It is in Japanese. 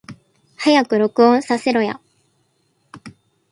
早く録音させろや